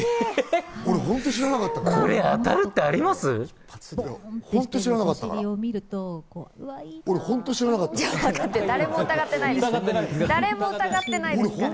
俺、本当知らなかったからね。